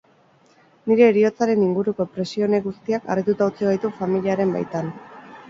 Nire heriotzaren inguruko presio honek guztiak harrituta utzi gaitu familiaren baitan.